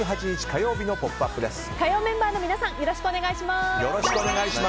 火曜メンバーの皆さんよろしくお願いします。